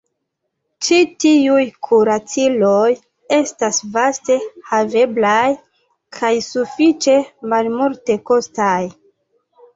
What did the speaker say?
Ĉi tiuj kuraciloj estas vaste haveblaj kaj sufiĉe malmultekostaj.